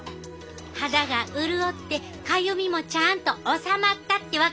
肌が潤ってかゆみもちゃんと治まったってわけ！